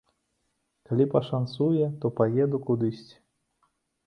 Калі пашанцуе, то паеду кудысьці.